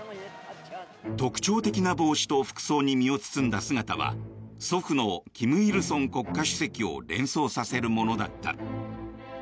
特徴的な帽子と服装に身を包んだ姿は祖父の故・金日成国家主席を連想させるものだった。